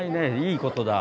いいことだ。